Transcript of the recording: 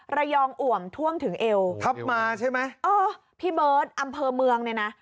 องอ่วมท่วมถึงเอวทับมาใช่ไหมเออพี่เบิร์ตอำเภอเมืองเนี่ยนะ